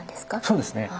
そうですね。